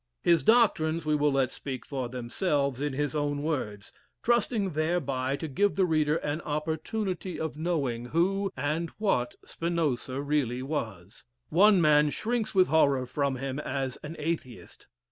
His doctrines we will let speak for themselves in his own words, trusting thereby to give the reader an opportunity of knowing who and what Spinoza really was. One man shrinks with horror from him as an Atheist.